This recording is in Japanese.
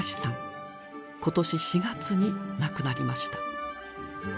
今年４月に亡くなりました。